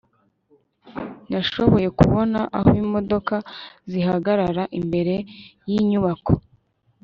nashoboye kubona aho imodoka zihagarara imbere yinyubako